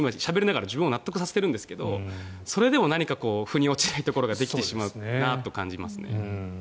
今、しゃべりながら自分を納得させているんですけどそれでも何か腑に落ちないところができてしまうなと感じますね。